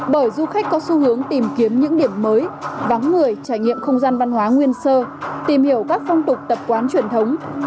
bởi du khách có xu hướng tìm kiếm những điểm mới vắng người trải nghiệm không gian văn hóa nguyên sơ tìm hiểu các phong tục tập quán truyền thống